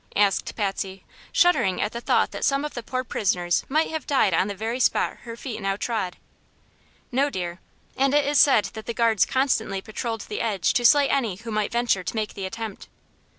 asked Patsy, shuddering at the thought that some of the poor prisoners might have died on the very spot her feet now trod. "No, dear. And it is said the guards constantly patrolled the edge to slay any who might venture to make the attempt."